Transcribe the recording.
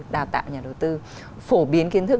đào tạo nhà đầu tư phổ biến kiến thức